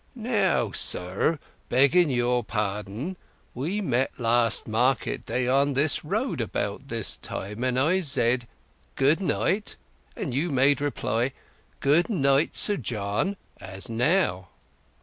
"Now, sir, begging your pardon; we met last market day on this road about this time, and I said 'Good night,' and you made reply 'Good night, Sir John,' as now."